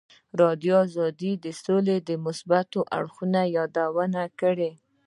ازادي راډیو د سوله د مثبتو اړخونو یادونه کړې.